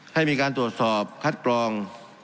ให้มีการตรวจสอบคัดกรอง